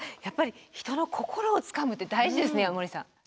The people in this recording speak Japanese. やっぱり人の心をつかむって大事ですね矢守さん。